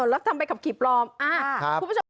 แล้วทำใบขับขี่ปลอมคุณผู้ชม